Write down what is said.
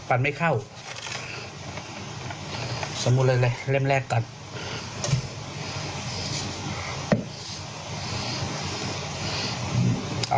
อ่ะนี่เล่มนึงนะ